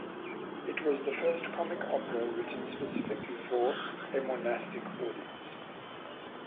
It was the first comic opera written specifically for a monastic audience.